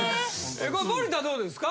これ森田どうですか？